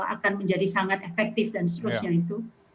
akan menjadi sangat efektif dan seterusnya itu